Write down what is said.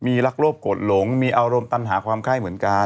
มีลักลวปกดหลงมีอารมณ์ตานะฮาความไฮก์เหมือนกัน